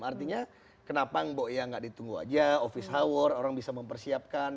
artinya kenapa mbok ya nggak ditunggu aja office hour orang bisa mempersiapkan